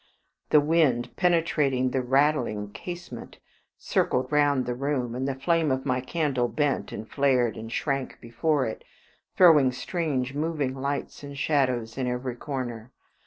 The wind penetrating the rattling casement circled round the room, and the flame of my candle bent and flared and shrank before it, throwing strange moving lights and shadows in every corner.